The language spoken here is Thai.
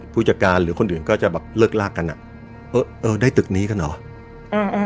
ผู้จัดการหรือคนอื่นก็จะแบบเลิกลากกันอ่ะเออเออได้ตึกนี้กันเหรอ